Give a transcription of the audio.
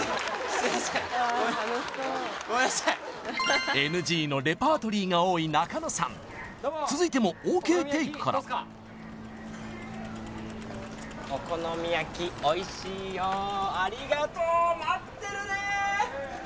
すいませんごめんなさいＮＧのレパートリーが多い仲野さん続いてもＯＫテイクからお好み焼きおいしいよありがとう待ってるね！